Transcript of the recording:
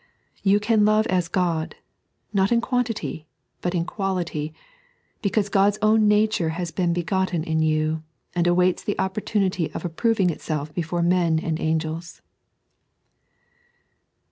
You can love as God, not in quantity, but in quality, be cause God's own nature has been begotten in you, and awaits the opportunity of approving itself before men and angels.